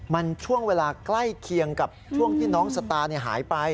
มันช่วงเวลาใกล้เคียงกับช่วงที่น้องสตาร์หายไป